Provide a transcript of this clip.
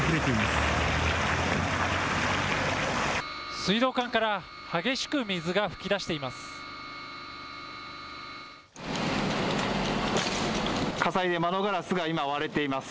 水道管から激しく水が噴き出しています。